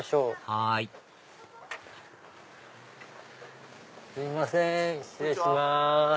はいすいません失礼します。